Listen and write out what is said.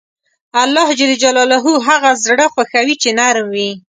الله هغه زړه خوښوي چې نرم وي.